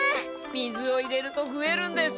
水を入れるとふえるんです。